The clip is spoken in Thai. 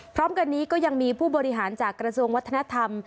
พร้อมกันนี้ก็ยังมีผู้บริหารจากกระทรวงวัฒนธรรม